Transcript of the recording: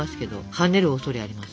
はねるおそれあります。